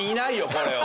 これは。